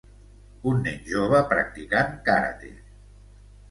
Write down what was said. Un nen jove practicant karate